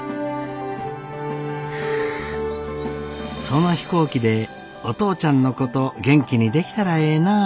その飛行機でお父ちゃんのこと元気にできたらええなぁ。